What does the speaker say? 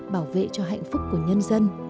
bảo vệ cho hạnh phúc của nhân dân